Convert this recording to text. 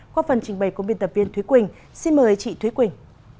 qua phần trình bày của biên tập viên thúy quỳnh xin mời chị thúy quỳnh